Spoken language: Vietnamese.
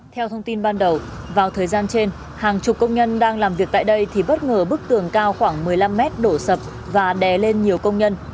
theo thông tin ban đầu vào thời gian trên hàng chục công nhân đang làm việc tại đây thì bất ngờ bức tường cao khoảng một mươi năm mét đổ sập và đè lên nhiều công nhân